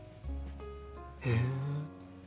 へえ！